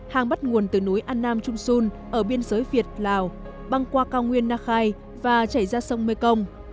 hang bắt nguồn từ núi an nam trung sun ở biên giới việt lào băng qua cao nguyên nakhai và chảy ra sông mê công